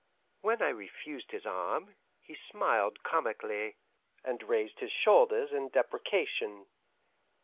When I refused his arm, he smiled comically, and raised his shoulders in deprecation.